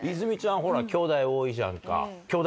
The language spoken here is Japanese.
ほらきょうだい多いじゃんか。